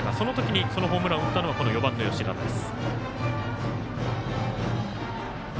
その時にホームランを打ったのはこの４番の吉田です。